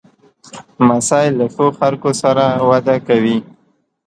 لمسی له ښو خلکو سره وده کوي.